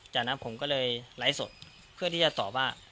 จากนั้นผมก็เลยไลฟ์สดเพื่อที่จะตอบว่า